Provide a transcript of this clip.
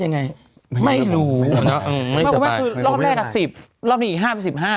ยังไงไม่รู้ไม่รู้คือรอบแรกอันสิบรอบนี้อีกห้าบนสิบห้า